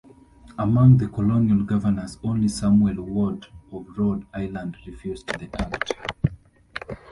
Among the colonial governors, only Samuel Ward of Rhode Island refused the act.